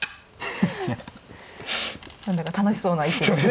何だか楽しそうな一手ですね。